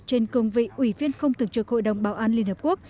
trên công vị ủy viên không tường trực hội đồng bảo an liên hợp quốc